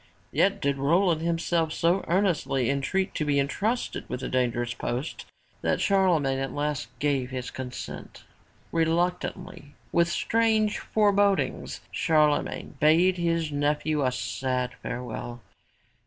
'' Yet did Roland himself so earnestly entreat to be entrusted with the dangerous post that Charlemagne at last gave his consent. Reluctantly, with strange forebodings, Charlemagne bade his nephew a sad farewell.